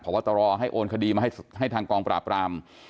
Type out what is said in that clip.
เพราะว่าตรอให้โอนคดีมาให้ทางกองปราบปราม